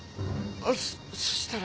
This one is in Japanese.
そしたら。